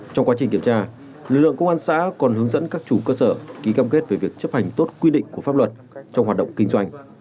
trong quá trình kiểm tra lực lượng công an xã còn hướng dẫn các chủ cơ sở ký cam kết về việc chấp hành tốt quy định của pháp luật trong hoạt động kinh doanh